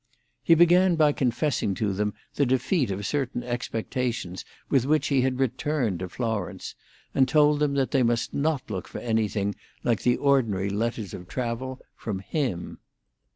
He began by confessing to them the defeat of certain expectations with which he had returned to Florence, and told them that they must not look for anything like the ordinary letters of travel from him.